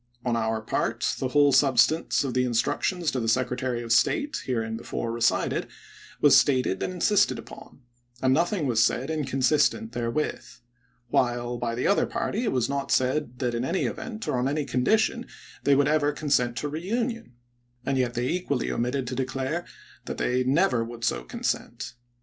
On our part, the whole substance of the instructions to the Secretary of State, hereinbefore re cited, was stated and insisted upon, and nothing was said inconsistent therewith ; while, by the other party, it was not said that in any event or on any condition they ever would consent to reunion ; and yet they equally omitted to declare that they never would so consent.